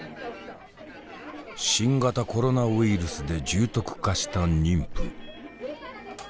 新型コロナウイルスで重篤化した妊婦。